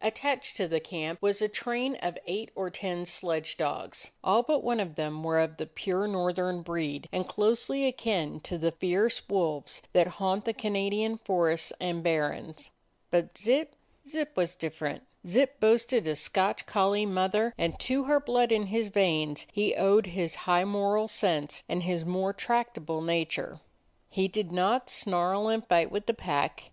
Attached to the camp was a train of eight or ten sledge dogs; all but one of them were of the pure northern breed and closely akin to the fierce wolves that haunt the Canadian forests and barrens. But Zip — Zip was different. Zip boasted a Scotch collie mother, and to her blood in his veins he owed his high moral sense and his more tractable nature. He did not snarl and fight with the pack.